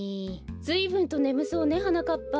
ずいぶんとねむそうねはなかっぱ。